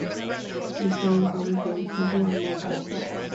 The show was always very simple and low-budget.